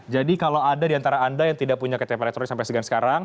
jadi kalau ada di antara anda yang tidak punya ktp elektronik sampai sekarang